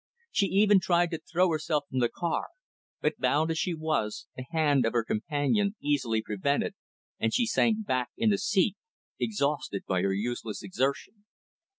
She even tried to throw herself from the car; but, bound as she was, the hand of her companion easily prevented, and she sank back in the seat, exhausted by her useless exertion.